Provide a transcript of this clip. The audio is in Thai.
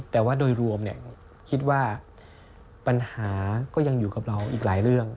แต่ว่าโดยรวมคิดว่าปัญหาก็ยังอยู่กับเราอีกหลายเรื่อง